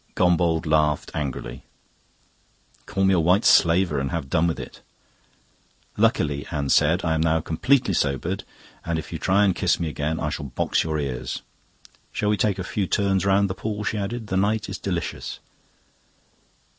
Gombauld laughed angrily. "Call me a White Slaver and have done with it." "Luckily," said Anne, "I am now completely sobered, and if you try and kiss me again I shall box your ears. Shall we take a few turns round the pool?" she added. "The night is delicious."